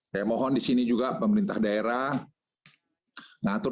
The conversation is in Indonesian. saya mohon di sini juga pemerintah daerah ngatur